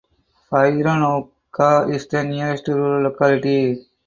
Fironovka is the nearest rural locality.